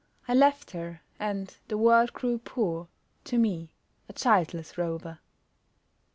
I left her and the world grew poor To me, a childless rover.